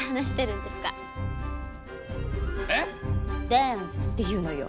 ダンスっていうのよ。